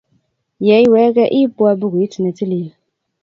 Yeiwege iibwo bukuit ne tilil.